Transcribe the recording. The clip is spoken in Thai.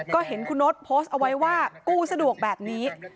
ก็เห็นคุณโน๊ตโพสต์เอาไว้ว่ากูสะดวกแบบนี้